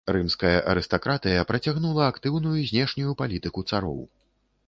Рымская арыстакратыя працягнула актыўную знешнюю палітыку цароў.